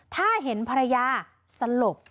ถ้าเห็นภรรยาสลบ